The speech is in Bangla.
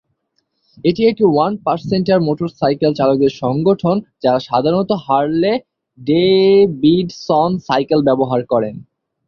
এটি একটি ওয়ান-পার্সেন্টার মোটর সাইকেল চালকদের সংগঠন যারা সাধারনত হারলে-ডেভিডসন সাইকেল ব্যবহার করেন।